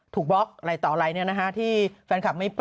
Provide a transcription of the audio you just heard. ถูกบล็อกไรต่อไรเนี่ยนะฮะที่แฟนคลับไม่เปิ้ล